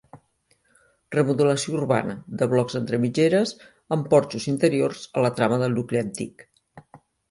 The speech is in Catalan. Remodelació urbana de blocs entre mitgeres amb porxos interiors a la trama del nucli antic.